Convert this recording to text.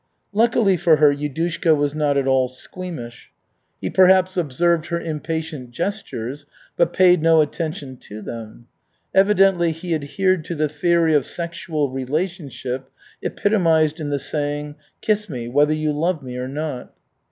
Luckily for her Yudushka was not at all squeamish. He perhaps observed her impatient gestures but paid no attention to them. Evidently he adhered to the theory of sexual relationship epitomized in the saying, "Kiss me, whether you love me or not."